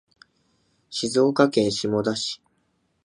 静岡県下田市